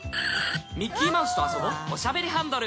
ミッキーマウスと遊ぼうおしゃべりハンドル。